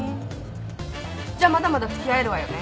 じゃまだまだ付き合えるわよね。